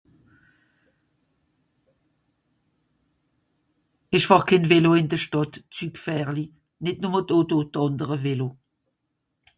Ìch fàhr kén Vélo ìn de Stàdt. zü gfährli. Nìt nùmme d'Auto, d'ànderi Vélo.